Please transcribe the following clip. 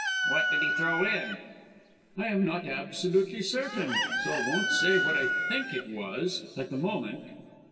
"What did he throw in?" "I am not absolutely certain; so I won't say what I think it was, at the moment.